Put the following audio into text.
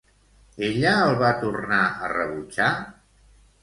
Ella el va tornar a rebutjar?